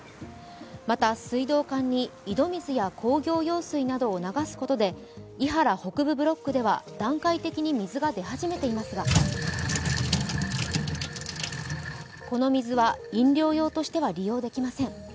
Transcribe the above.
また、水道管に井戸水や工業用水などを流すことで庵原北部ブロックでは段階的に水が出始めていますがこの水は飲料用としては利用できません。